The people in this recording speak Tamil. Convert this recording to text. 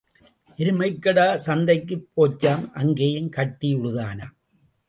எருமைக்கடா சந்தைக்குப் போச்சாம் அங்கேயும் கட்டி உழுதானாம்.